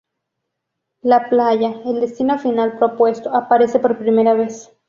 La playa, el destino final propuesto, aparece por primera vez.